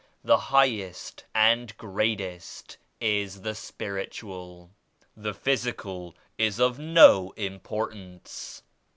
The highest and greatest is the Spiritual. The physical is of no importance.